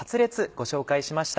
ご紹介しました。